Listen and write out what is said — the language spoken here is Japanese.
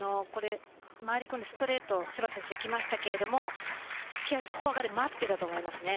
回り込んでストレート、芝田選手いきましたけれど木原選手、フォア側で待っていたと思います。